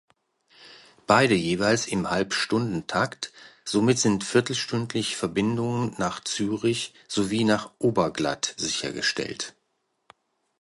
Beide jeweils im Halbstundentakt, somit sind viertelstündlich Verbindungen nach Zürich, sowie nach Oberglatt sichergestellt.